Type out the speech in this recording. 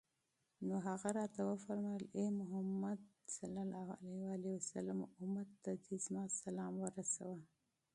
نو هغه راته وفرمايل: اې محمد! أمت ته دي زما سلام ورسوه